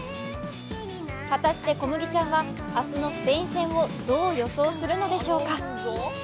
果たしてコムギちゃんは明日のスペイン戦をどう予想するのでしょうか。